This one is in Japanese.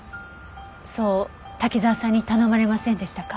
そう滝沢さんに頼まれませんでしたか？